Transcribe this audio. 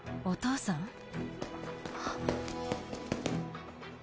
お父さん！